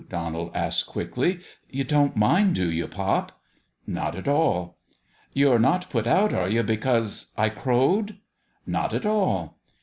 Donald asked, quickly. "You don't mind, do you, pop?' " Not at all." " You're not put out, are you, because I crowed ?"" Not at all."